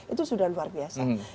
itu sudah luar biasa